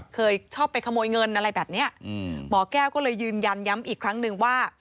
เคยชอบไปขโมยเงินอะไรแบบเนี้ยอืมหมอแก้วก็เลยยืนยันย้ำอีกครั้งนึงว่า